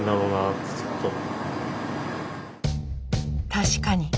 確かに。